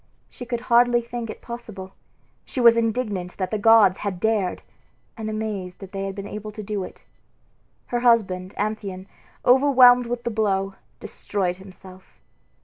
She could hardly think it possible; she was indignant that the gods had dared and amazed that they had been able to do it. Her husband, Amphion, overwhelmed with the blow, destroyed himself.